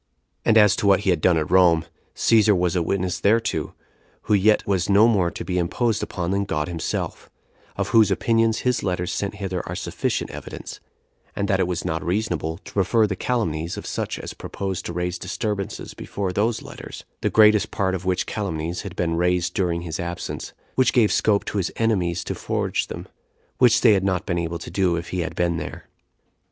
And as to what he had done at Rome, Cæsar was a witness thereto, who yet was no more to be imposed upon than God himself; of whose opinions his letters sent hither are sufficient evidence; and that it was not reasonable to prefer the calumnies of such as proposed to raise disturbances before those letters; the greatest part of which calumnies had been raised during his absence, which gave scope to his enemies to forge them, which they had not been able to do if he had been there.